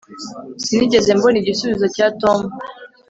sinigeze mbona igisubizo cya tom